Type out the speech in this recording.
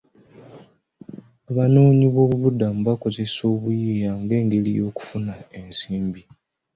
Abanoonyi boobubudamu bakozesa obuyiiya nga engeri y'okufunamu ensimbi